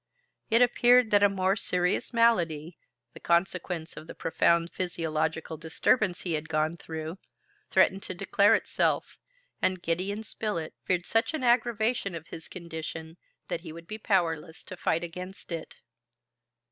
It appeared that a more serious malady, the consequence of the profound physiological disturbance he had gone through, threatened to declare itself, and Gideon Spilett feared such an aggravation of his condition that he would be powerless to fight against it!